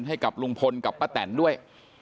ให้กับลุงพลกับป้าแตนด้วย